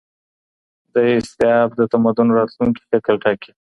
داستیعاب د تمدن راتلونکي شکل ټاکي.